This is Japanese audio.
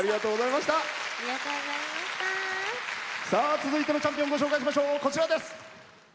続いてのチャンピオンご紹介しましょう。